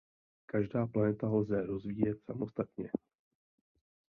Každá planeta lze rozvíjet samostatně.